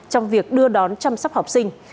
trong việc đưa đón chăm sóc học sinh